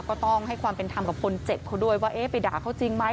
ก็ต้องให้ความเป็นธรรมกับคนเจ็บเขาด้วยว่าเอ๊ะไปด่าเขาจริงไหม